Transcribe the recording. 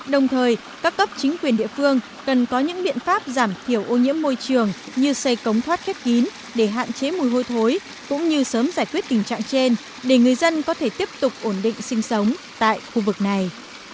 đồng thời các cấp chính quyền địa phương cần có những biện pháp giảm thiểu ô nhiễm môi trường như xây cống thoát khép kín để hạn chế mùi hôi thối cũng như sớm giải quyết tình trạng trên để người dân có thể tiếp tục ổn định sinh sống tại khu vực này